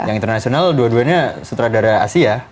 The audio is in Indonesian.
yang internasional dua duanya sutradara asia